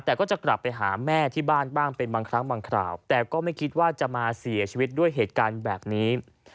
แต่ก็จะกลับไปหาแม่ที่บ้านบ้างเป็นบางครั้งบางคราวแต่ก็ไม่คิดว่าจะมาเสียชีวิตด้วยเหตุการณ์แบบนี้